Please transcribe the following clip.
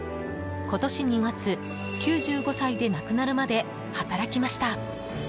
今年２月、９５歳で亡くなるまで働きました。